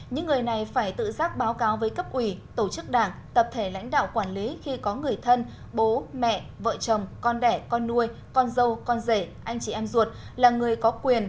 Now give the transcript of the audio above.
những người này phải tự giác báo cáo với cấp ủy tổ chức đảng tập thể lãnh đạo quản lý khi có người thân bố mẹ vợ chồng con đẻ con nuôi con dâu con rể anh chị em ruột là người có quyền